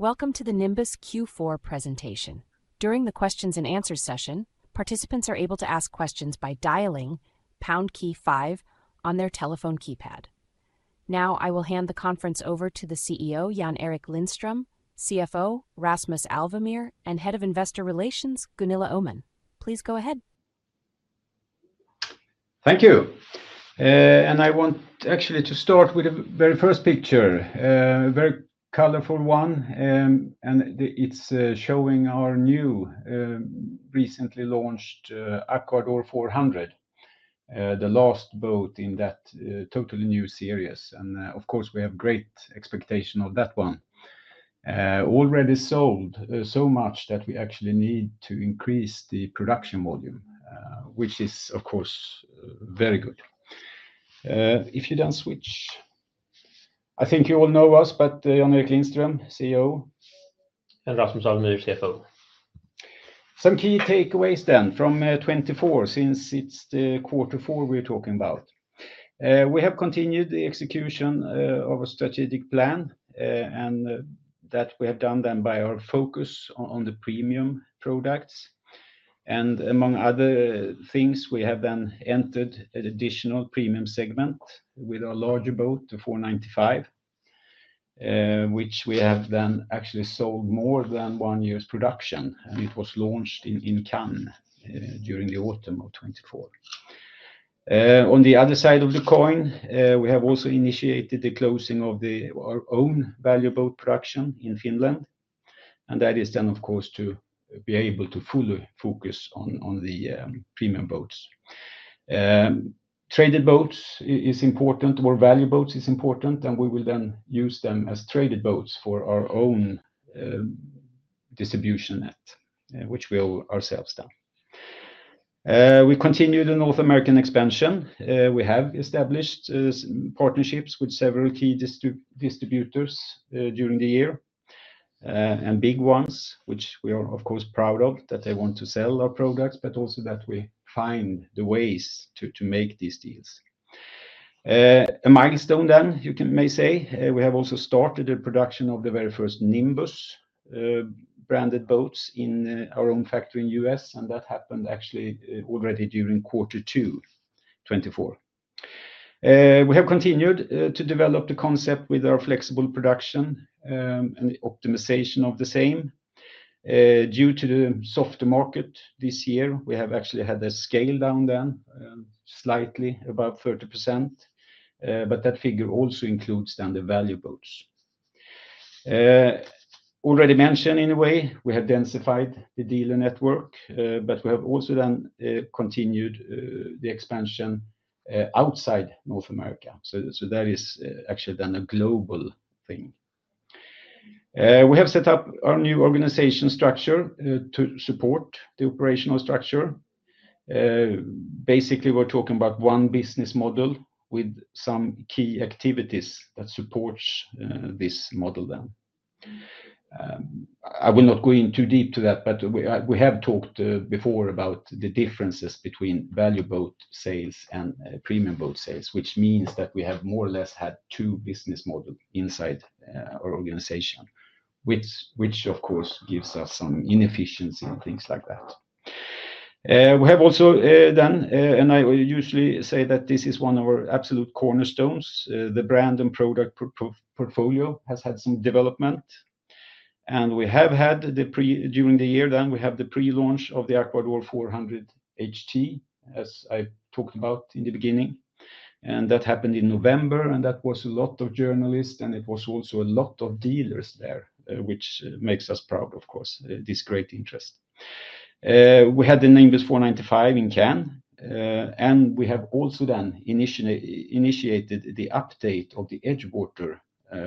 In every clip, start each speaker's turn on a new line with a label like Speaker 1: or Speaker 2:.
Speaker 1: Welcome to the Nimbus Q4 presentation. During the Q&A session, participants are able to ask questions by dialing pound key five on their telephone keypad. Now, I will hand the conference over to the CEO, Jan-Erik Lindström, CFO, Rasmus Alvemyr, and Head of Investor Relations, Gunilla Öhman. Please go ahead.
Speaker 2: Thank you, and I want actually to start with the very first picture, a very colorful one, and it's showing our new, recently launched Aquador 400, the last boat in that totally new series. And of course, we have great expectations of that one. Already sold so much that we actually need to increase the production volume, which is, of course, very good. If you don't switch, I think you all know us, but Jan-Erik Lindström, CEO, and Rasmus Alvemyr, CFO. Some key takeaways then from 2024, since it's the quarter four we're talking about. We have continued the execution of a strategic plan, and that we have done then by our focus on the premium products. Among other things, we have then entered an additional premium segment with our larger boat, the 495, which we have then actually sold more than one year's production, and it was launched in Cannes during the autumn of 2024. On the other side of the coin, we have also initiated the closing of our own value boat production in Finland. That is then, of course, to be able to fully focus on the premium boats. Traded boats is important, or value boats is important, and we will then use them as traded boats for our own distribution net, which we ourselves done. We continue the North American expansion. We have established partnerships with several key distributors during the year, and big ones, which we are, of course, proud of, that they want to sell our products, but also that we find the ways to make these deals. A milestone then, you may say, we have also started the production of the very first Nimbus branded boats in our own factory in the U.S., and that happened actually already during quarter two 2024. We have continued to develop the concept with our flexible production and optimization of the same. Due to the softer market this year, we have actually had a scale down then slightly, about 30%, but that figure also includes then the value boats. Already mentioned in a way, we have densified the dealer network, but we have also then continued the expansion outside North America. So that is actually then a global thing. We have set up our new organization structure to support the operational structure. Basically, we're talking about one business model with some key activities that supports this model then. I will not go in too deep to that, but we have talked before about the differences between value boat sales and premium boat sales, which means that we have more or less had two business models inside our organization, which, of course, gives us some inefficiency and things like that. We have also then, and I usually say that this is one of our absolute cornerstones, the brand and product portfolio has had some development, and we have had during the year then, we have the pre-launch of the Aquador 400 HT, as I talked about in the beginning, and that happened in November, and that was a lot of journalists, and it was also a lot of dealers there, which makes us proud, of course, this great interest. We had the Nimbus 495 in Cannes, and we have also then initiated the update of the EdgeWater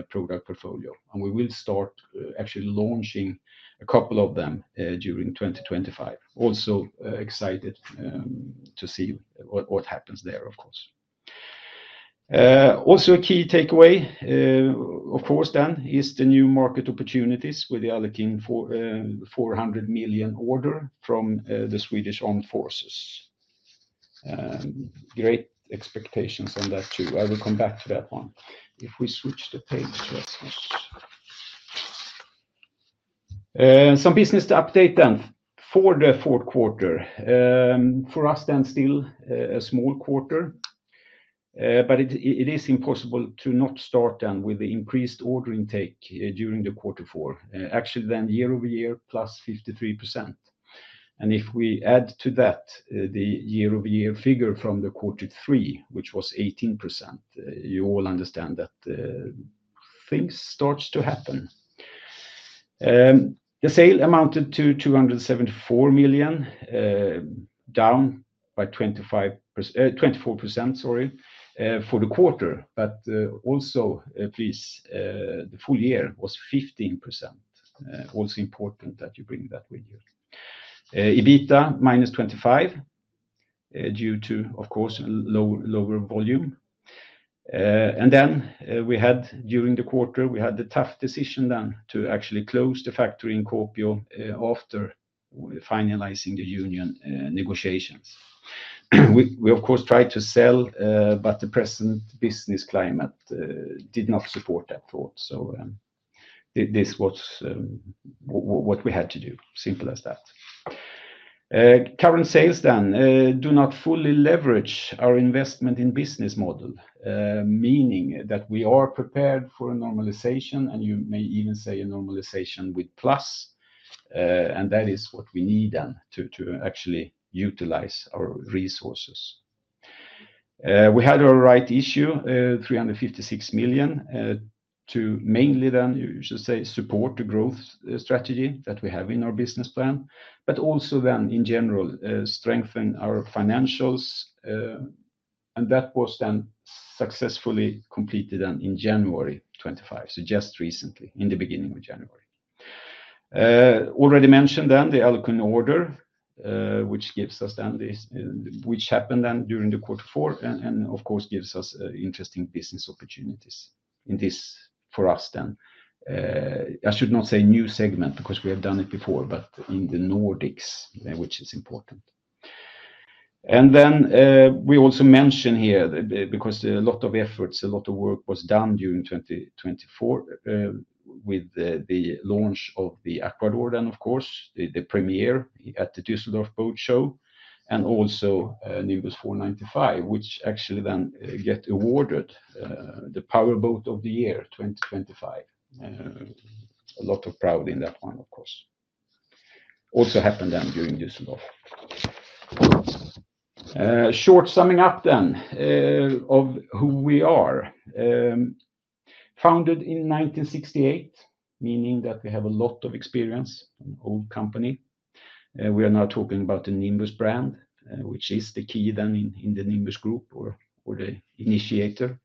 Speaker 2: product portfolio, and we will start actually launching a couple of them during 2025. Also excited to see what happens there, of course. Also a key takeaway, of course, then is the new market opportunities with the Alukin 400 million order from the Swedish Armed Forces. Great expectations on that too. I will come back to that one. If we switch the page, Rasmus. Some business to update then for the fourth quarter. For us then, still a small quarter, but it is impossible to not start then with the increased order intake during the quarter four. Actually then, year-over-year, +53%. If we add to that the year-over-year figure from the quarter three, which was 18%, you all understand that things start to happen. The sale amounted to 274 million, down by 24%, sorry, for the quarter, but also please, the full year was 15%. Also important that you bring that with you. EBITA, -25%, due to, of course, lower volume. And then we had, during the quarter, we had the tough decision then to actually close the factory in Kuopio after finalizing the union negotiations. We, of course, tried to sell, but the present business climate did not support that thought, so this was what we had to do, simple as that. Current sales then do not fully leverage our investment in business model, meaning that we are prepared for a normalization, and you may even say a normalization with plus, and that is what we need then to actually utilize our resources. We had our rights issue, 356 million, to mainly then, you should say, support the growth strategy that we have in our business plan, but also then in general, strengthen our financials. And that was then successfully completed then in January 2025, so just recently, in the beginning of January. Already mentioned then the Alukin order, which gives us then, which happened then during quarter four, and of course gives us interesting business opportunities in this, for us then. I should not say new segment because we have done it before, but in the Nordics, which is important. And then we also mentioned here, because a lot of efforts, a lot of work was done during 2024 with the launch of the Aquador then, of course, the premiere at the Düsseldorf Boat Show, and also Nimbus 495, which actually then got awarded the Powerboat of the Year 2025. A lot of proud in that one, of course. Also happened then during Düsseldorf. Short summing up then of who we are. Founded in 1968, meaning that we have a lot of experience, an old company. We are now talking about the Nimbus brand, which is the key then in the Nimbus Group or the initiator.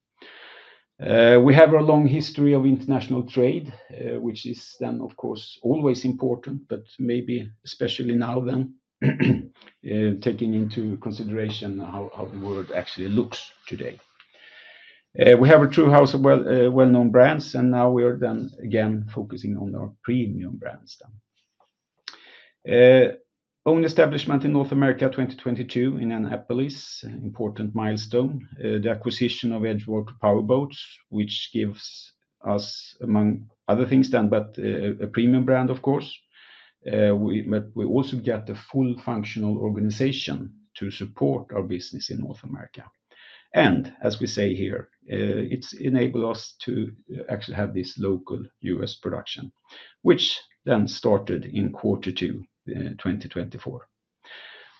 Speaker 2: We have a long history of international trade, which is then, of course, always important, but maybe especially now then, taking into consideration how the world actually looks today. We have a true house of well-known brands, and now we are then again focusing on our premium brands then. Own establishment in North America 2022 in Annapolis, important milestone, the acquisition of EdgeWater Powerboats, which gives us, among other things then, but a premium brand, of course, but we also get a full functional organization to support our business in North America. As we say here, it's enabled us to actually have this local U.S. production, which then started in quarter two 2024.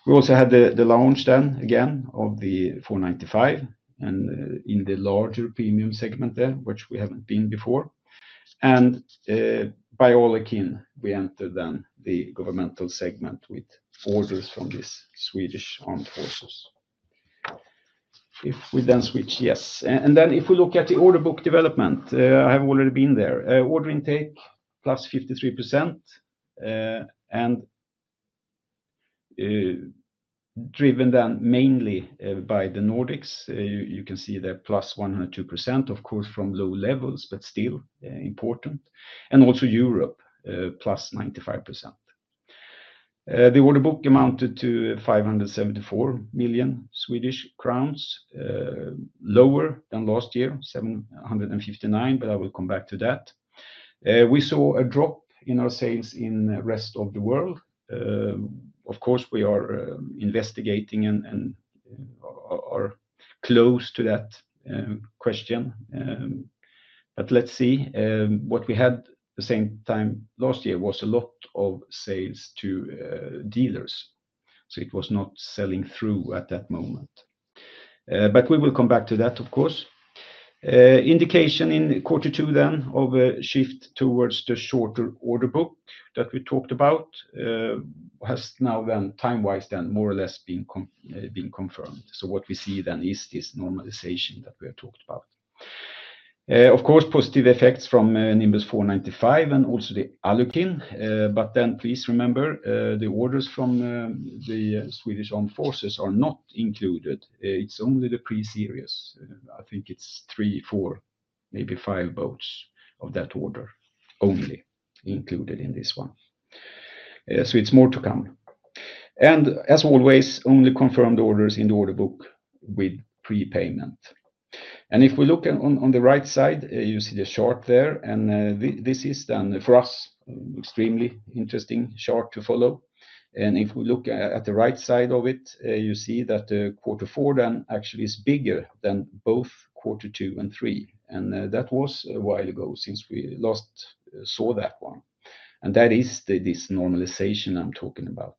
Speaker 2: We also had the launch then again of the 495 and in the larger premium segment there, which we haven't been before. By Alukin, we entered then the governmental segment with orders from these Swedish Armed Forces. If we then switch, yes. Then if we look at the order book development, I have already been there. Order intake +53%, and driven then mainly by the Nordics. You can see that +102%, of course, from low levels, but still important. Also Europe +95%. The order book amounted to 574 million Swedish crowns, lower than last year, 759 million, but I will come back to that. We saw a drop in our sales in the rest of the world. Of course, we are investigating and are close to that question, but let's see, what we had at the same time last year was a lot of sales to dealers, so it was not selling through at that moment, but we will come back to that, of course. Indication in quarter two then of a shift towards the shorter order book that we talked about has now then time-wise then more or less been confirmed, so what we see then is this normalization that we have talked about. Of course, positive effects from Nimbus 495 and also the Alukin, but then please remember, the orders from the Swedish Armed Forces are not included. It's only the pre-series. I think it's three, four, maybe five boats of that order only included in this one, so it's more to come, and as always, only confirmed orders in the order book with prepayment. If we look on the right side, you see the chart there, and this is then for us an extremely interesting chart to follow. If we look at the right side of it, you see that the quarter four then actually is bigger than both quarter two and three. That was a while ago since we last saw that one. That is this normalization I'm talking about.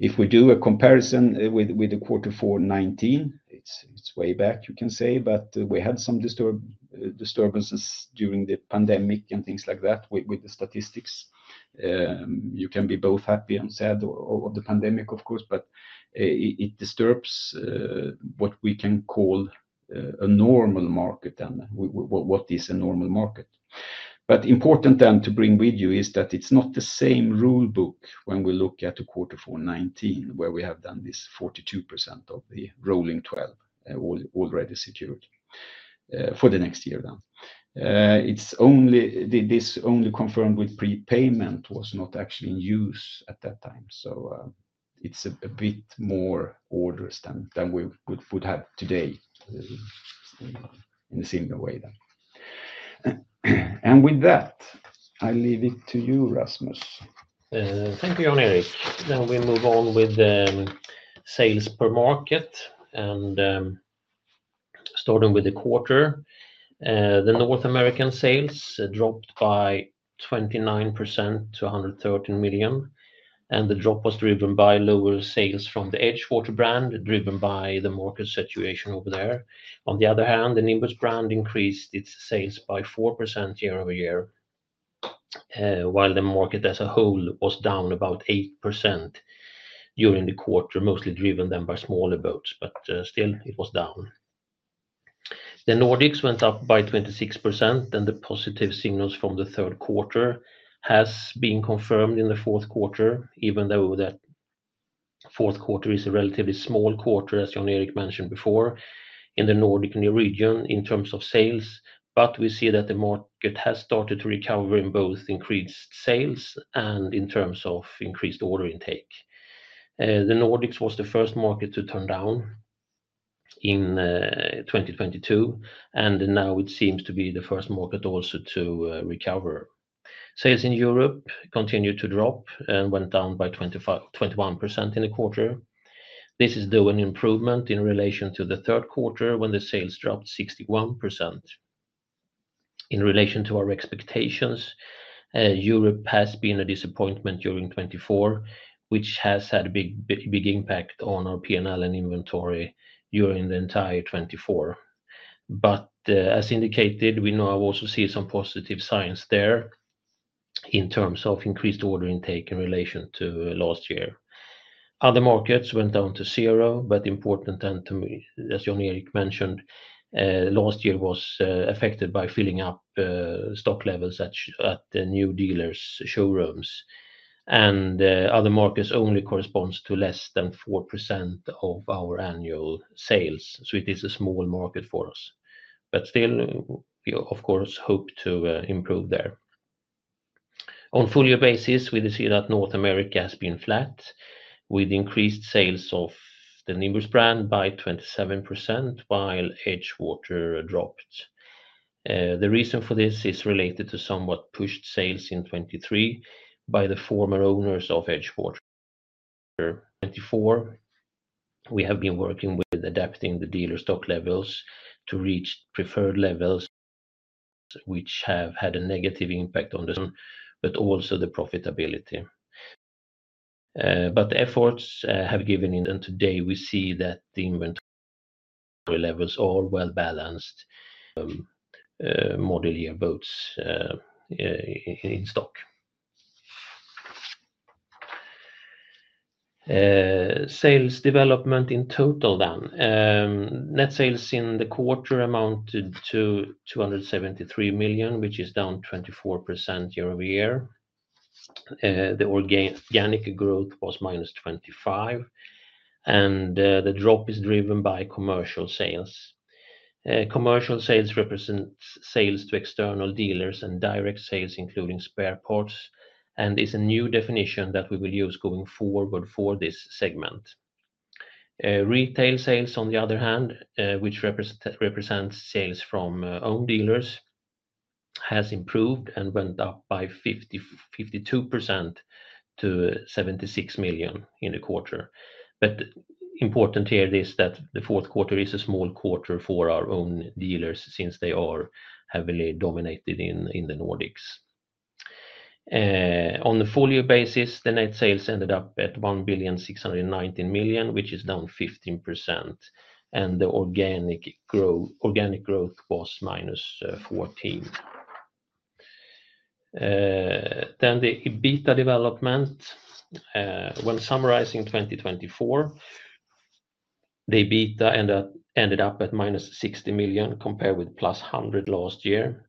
Speaker 2: If we do a comparison with the quarter four 2019, it's way back, you can say, but we had some disturbances during the pandemic and things like that with the statistics. You can be both happy and sad of the pandemic, of course, but it disturbs what we can call a normal market then, what is a normal market. But important then to bring with you is that it's not the same rule book when we look at the quarter four 2019, where we have done this 42% of the rolling 12 already secured for the next year then. This only confirmed with prepayment was not actually in use at that time. So it's a bit more orders than we would have today in a similar way then. And with that, I leave it to you, Rasmus.
Speaker 3: Thank you, Jan-Erik, then we move on with sales per market and starting with the quarter. The North American sales dropped by 29% to 113 million, and the drop was driven by lower sales from the EdgeWater brand, driven by the market situation over there. On the other hand, the Nimbus brand increased its sales by 4% year-over-year, while the market as a whole was down about 8% during the quarter, mostly driven then by smaller boats, but still it was down. The Nordics went up by 26%, then the positive signals from the third quarter have been confirmed in the fourth quarter, even though that fourth quarter is a relatively small quarter, as Jan-Erik mentioned before, in the Nordic region in terms of sales. But we see that the market has started to recover in both increased sales and in terms of increased order intake. The Nordics was the first market to turn down in 2022, and now it seems to be the first market also to recover. Sales in Europe continued to drop and went down by 21% in the quarter. This is, though, an improvement in relation to the third quarter when the sales dropped 61%. In relation to our expectations, Europe has been a disappointment during 2024, which has had a big impact on our P&L and inventory during the entire 2024, but as indicated, we now also see some positive signs there in terms of increased order intake in relation to last year. Other markets went down to zero, but, important then, as Jan-Erik mentioned, last year was affected by filling up stock levels at the new dealers' showrooms, and other markets only correspond to less than 4% of our annual sales. So it is a small market for us, but still, we of course hope to improve there. On a full year basis, we see that North America has been flat with increased sales of the Nimbus brand by 27%, while EdgeWater dropped. The reason for this is related to somewhat pushed sales in 2023 by the former owners of EdgeWater. In 2024, we have been working with adapting the dealer stock levels to reach preferred levels, which have had a negative impact on them, but also the profitability. The efforts have given, and today we see that the inventory levels are well balanced. Model-year boats in stock. Sales development in total then. Net sales in the quarter amounted to 273 million, which is down 24% year-over-year. The organic growth was -25%, and the drop is driven by commercial sales. Commercial sales represents sales to external dealers and direct sales, including spare parts, and is a new definition that we will use going forward for this segment. Retail sales, on the other hand, which represents sales from own dealers, has improved and went up by 52% to 76 million in the quarter, but important here is that the fourth quarter is a small quarter for our own dealers since they are heavily dominated in the Nordics. On a full year basis, the net sales ended up at 1,619 million, which is down 15%, and the organic growth was -14%. Then the EBITA development, when summarizing 2024, the EBITA ended up at -60 million compared with +100 million last year,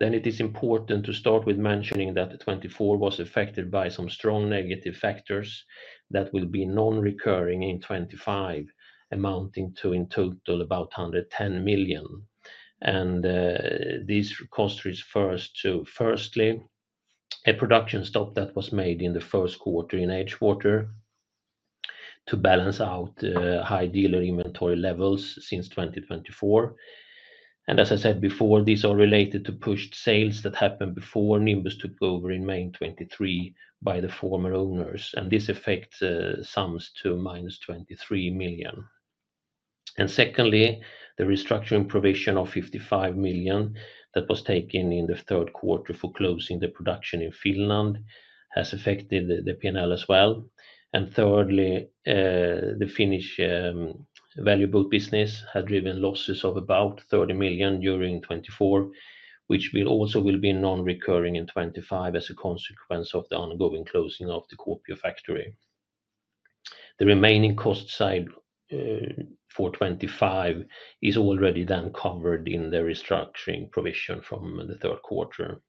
Speaker 3: then it is important to start with mentioning that 2024 was affected by some strong negative factors that will be non-recurring in 2025, amounting to in total about 110 million. These costs refer to, firstly, a production stop that was made in the first quarter in EdgeWater to balance out high dealer inventory levels since 2024. As I said before, these are related to pushed sales that happened before Nimbus took over in May 2023 by the former owners, and this effect sums to -23 million. Secondly, the restructuring provision of 55 million that was taken in the third quarter for closing the production in Finland has affected the P&L as well. Thirdly, the Finnish value boat business has driven losses of about 30 million during 2024, which will also be non-recurring in 2025 as a consequence of the ongoing closing of the Kuopio factory. The remaining cost side for 2025 is already then covered in the restructuring provision from the third quarter.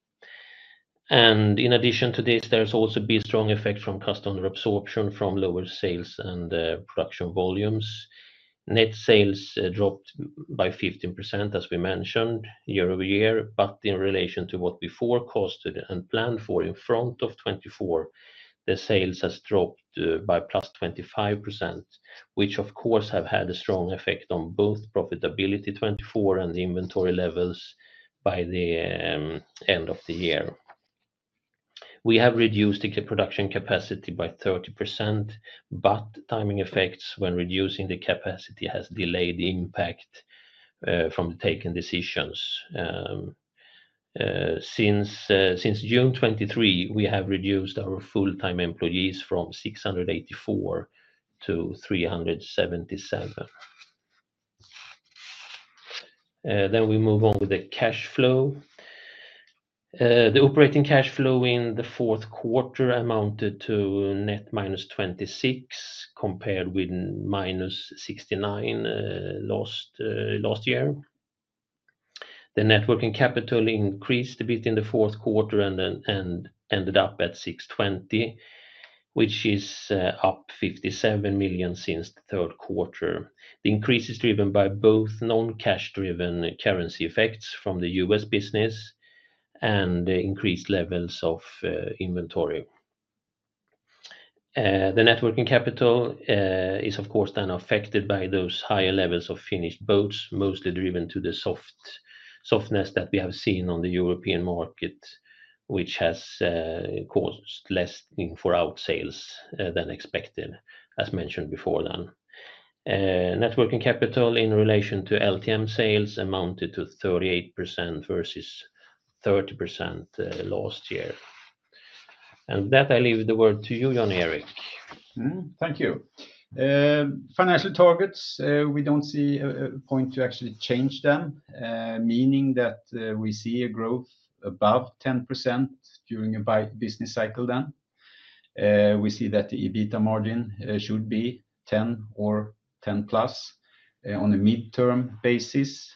Speaker 3: In addition to this, there's also a big strong effect from cost absorption from lower sales and production volumes. Net sales dropped by 15%, as we mentioned, year-over-year, but in relation to what we forecasted and planned for in front of 2024, the sales have dropped by +25%, which of course have had a strong effect on both profitability 2024 and the inventory levels by the end of the year. We have reduced the production capacity by 30%, but timing effects when reducing the capacity has delayed the impact from the taken decisions. Since June 2023, we have reduced our full-time employees from 684 to 377. Then we move on with the cash flow. The operating cash flow in the fourth quarter amounted to net -26 compared with -69 last year. The net working capital increased a bit in the fourth quarter and ended up at 620 million, which is up 57 million since the third quarter. The increase is driven by both non-cash driven currency effects from the U.S. business and increased levels of inventory. The net working capital is of course then affected by those higher levels of Finnish boats, mostly driven to the softness that we have seen on the European market, which has caused less in for outsales than expected, as mentioned before then. Net working capital in relation to LTM sales amounted to 38% versus 30% last year. And with that, I leave the word to you, Jan-Erik.
Speaker 2: Thank you. Financial targets, we don't see a point to actually change them, meaning that we see a growth above 10% during a business cycle then. We see that the EBITA margin should be 10% or 10%+ on a midterm basis.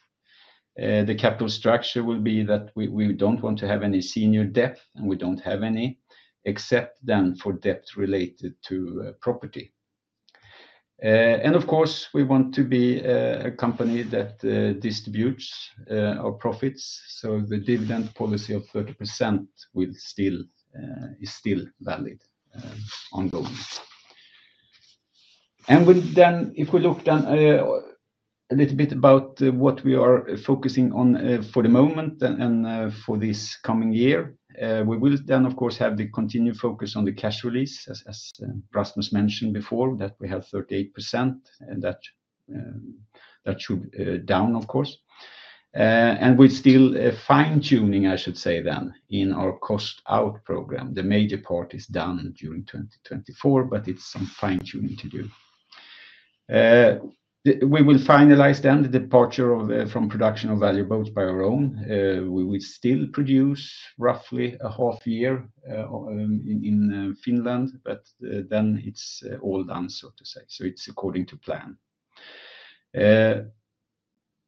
Speaker 2: The capital structure will be that we don't want to have any senior debt, and we don't have any, except then for debt related to property. Of course, we want to be a company that distributes our profits, so the dividend policy of 30% is still valid ongoing. If we look a little bit about what we are focusing on for the moment and for this coming year, we will of course have the continued focus on the cash release, as Rasmus mentioned before, that we have 38%, and that should be down, of course. We're still fine-tuning, I should say then, in our cost-out program. The major part is done during 2024, but it's some fine-tuning to do. We will finalize then the departure from production of value boats by our own. We will still produce roughly a half year in Finland, but then it's all done, so to say, so it's according to plan.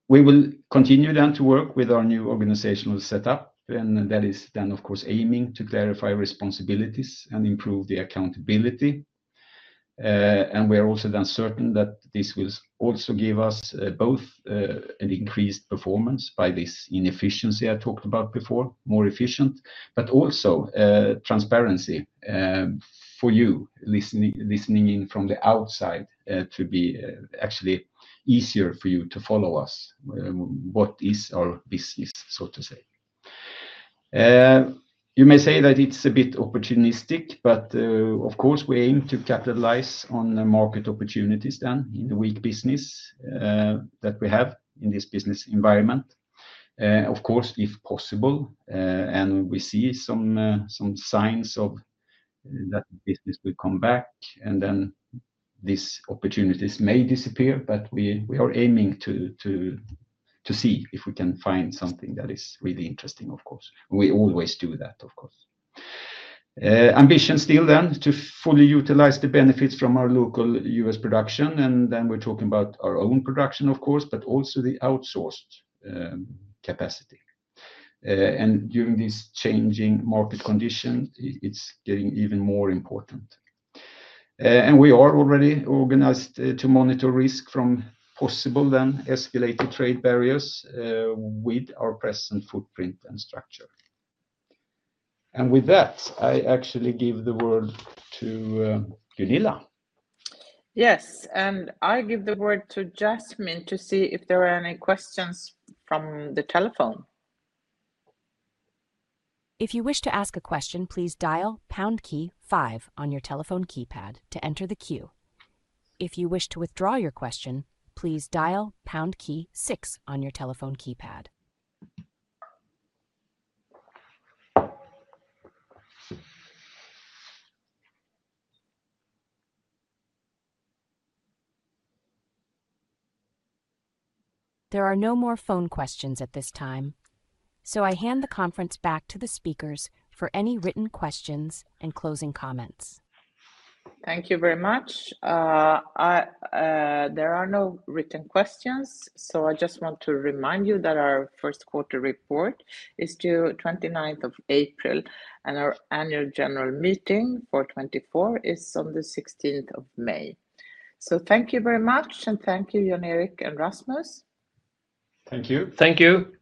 Speaker 2: We will continue then to work with our new organizational setup, and that is then of course aiming to clarify responsibilities and improve the accountability, and we are also then certain that this will also give us both an increased performance by this inefficiency I talked about before, more efficient, but also transparency for you listening in from the outside to be actually easier for you to follow us, what is our business, so to say. You may say that it's a bit opportunistic, but of course we aim to capitalize on market opportunities then in the weak business that we have in this business environment. Of course, if possible, and we see some signs of that business will come back, and then these opportunities may disappear, but we are aiming to see if we can find something that is really interesting, of course. We always do that, of course. Ambition still then to fully utilize the benefits from our local U.S. production, and then we're talking about our own production, of course, but also the outsourced capacity. And during these changing market conditions, it's getting even more important. And we are already organized to monitor risk from possible then escalated trade barriers with our present footprint and structure. And with that, I actually give the word to Gunilla.
Speaker 4: Yes, and I give the word to Jasmine to see if there are any questions from the telephone.
Speaker 1: If you wish to ask a question, please dial pound key five on your telephone keypad to enter the queue. If you wish to withdraw your question, please dial pound key six on your telephone keypad. There are no more phone questions at this time, so I hand the conference back to the speakers for any written questions and closing comments.
Speaker 4: Thank you very much. There are no written questions, so I just want to remind you that our first quarter report is due 29th of April, and our annual general meeting for 2024 is on the 16th of May. So thank you very much, and thank you, Jan-Erik and Rasmus.
Speaker 2: Thank you.
Speaker 3: Thank you.